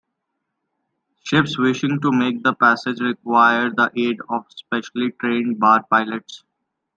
Ships wishing to make the passage require the aid of specially trained bar pilots.